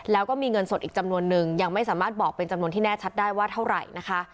แล้วก็มีเงินสดอีกจำนวนนึงยังไม่สามารถบอกเป็นจำนวนที่แน่ชัดได้ว่าเท่าไหร่นะคะ